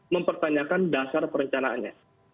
mempertanyakan dasar perencanaannya